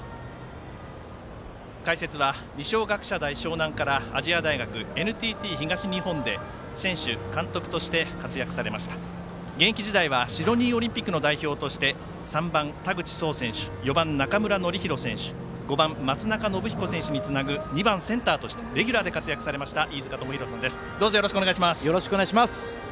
解説は二松学舎大沼南から亜細亜大学、ＮＴＴ東日本で選手、監督として活躍されました現役時代はシドニーオリンピックの代表として３番、田口壮選手４番、中村紀洋選手５番、松中選手につなぐ２番レギュラーとして活躍されたどうぞ、よろしくお願いします。